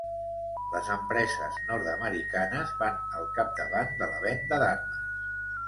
Les empreses nord-americanes van al capdavant de la venda d’armes.